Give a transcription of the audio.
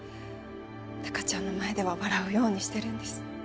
貴ちゃんの前では笑うようにしてるんです